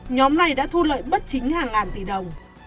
nhóm này đã thu lợi bất chính hàng ngàn tỷ đồng